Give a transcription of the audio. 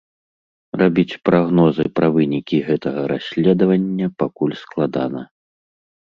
Рабіць прагнозы пра вынікі гэтага расследавання пакуль складана.